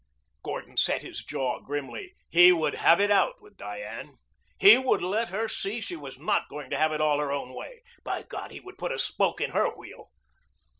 Gordon set his jaw grimly. He would have it out with Diane. He would let her see she was not going to have it all her own way. By God, he would put a spoke in her wheel.